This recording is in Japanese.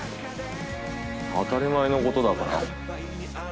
当たり前の事だから。